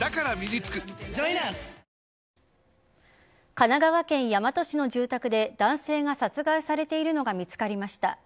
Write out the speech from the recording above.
神奈川県大和市の住宅で男性が殺害されているのが見つかりました。